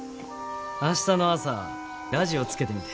明日の朝ラジオつけてみて。